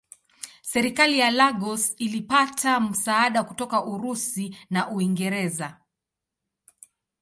Serikali ya Lagos ilipata msaada kutoka Urusi na Uingereza.